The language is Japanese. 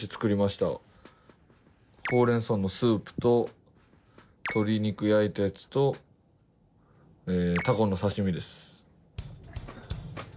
ほうれん草のスープととり肉焼いたやつとたこの刺身です。